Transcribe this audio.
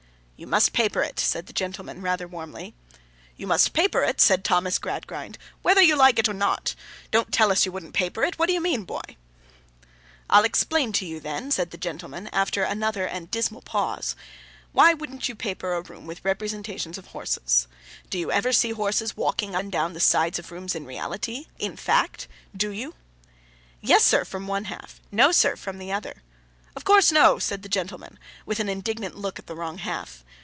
'You must paper it,' said the gentleman, rather warmly. 'You must paper it,' said Thomas Gradgrind, 'whether you like it or not. Don't tell us you wouldn't paper it. What do you mean, boy?' 'I'll explain to you, then,' said the gentleman, after another and a dismal pause, 'why you wouldn't paper a room with representations of horses. Do you ever see horses walking up and down the sides of rooms in reality—in fact? Do you?' 'Yes, sir!' from one half. 'No, sir!' from the other. 'Of course no,' said the gentleman, with an indignant look at the wrong half.